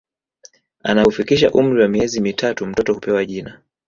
Anapofikisha umri wa miezi mitatu mtoto hupewa jina